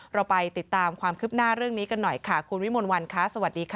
เราไปติดตามความคืบหน้าเรื่องนี้กันหน่อยค่ะคุณวิมลวันค่ะสวัสดีค่ะ